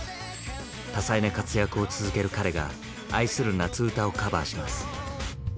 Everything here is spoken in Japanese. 多彩な活躍を続ける彼が愛する「夏うた」をカバーします。